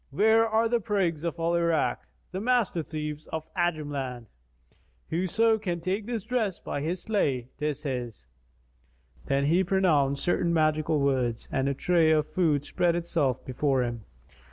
Where are the prigs of Al Irak, the master thieves of the Ajam land? Whoso can take this dress by his sleight, 'tis his!" Then he pronounced certain magical words and a tray of food spread itself before him.